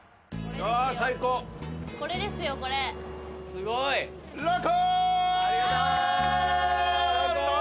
すごい！ロコ。